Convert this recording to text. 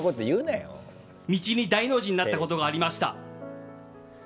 道に大の字になったことがありました。